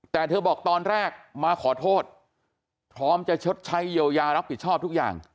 แต่เธอบอกตอนแรกมาขอโทษพร้อมจะชดใช้เยียวยารับผิดชอบทุกอย่าง